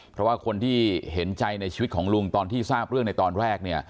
เพราะว่าคนที่เห็นใจในชีวิตของลุงตอนที่ทราบเรื่องในตอนแรก